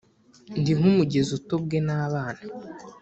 Ndi nk'umugezi utobwe n’abana